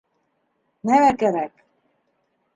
— Нимә кәрәк?